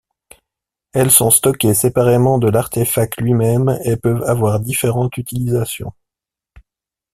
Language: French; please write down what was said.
Elles sont stockées séparément de l'artéfact lui-même et peuvent avoir différentes utilisations.